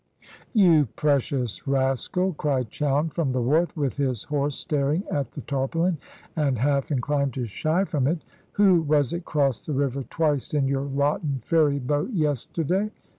"You precious rascal," cried Chowne, from the wharf, with his horse staring at the tarpaulin, and half inclined to shy from it; "who was it crossed the river twice in your rotten ferry boat yesterday?"